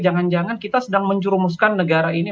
jangan jangan kita sedang menjurumuskan negara ini